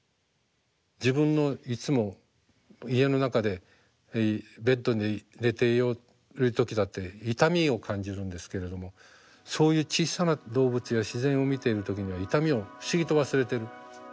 自分のいつも家の中でベッドに寝ている時だって痛みを感じるんですけれどもそういう小さな動物や自然を見ている時には痛みを不思議と忘れてる。